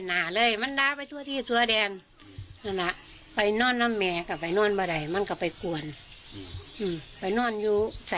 หลุดไส้พอเดียว